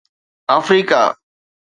Africa